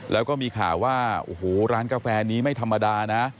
แล้วก็มีข่าวว่าโอ้โหร้านกาแฟนี้ไม่ธรรมดานะ